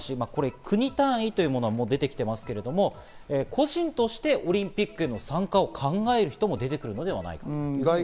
国単位というものがもう出てきていますけど、個人としてオリンピックへの参加を考える人も出てくるのではないかと。